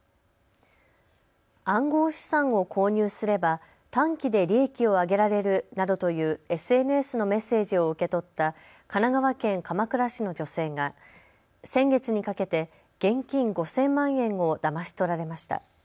暗号資産を購入すれば短期で利益を上げられるなどというＳＮＳのメッセージを受け取った神奈川県鎌倉市の女性が先月にかけて現金５０００万円をだまし取られました。